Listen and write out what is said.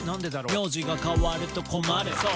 「名字が変わると困るｓｏ，」